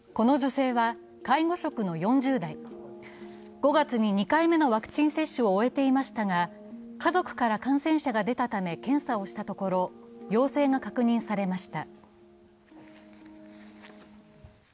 ５月に２回目のワクチン接種を終えていましたが家族から感染者が出たため検査をしたところ、陽性が確認されました。